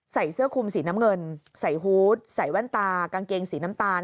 ใส่เสื้อคุมสีน้ำเงินใส่ฮูตใส่แว่นตากางเกงสีน้ำตาล